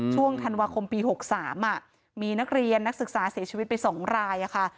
ช่วงธันวาคมปี๖๓มีนักเรียนนักศึกษาเสียชีวิตไป๒รายค่ะ